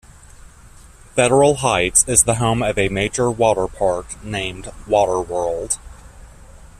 Federal Heights is the home of a major water park named Water World.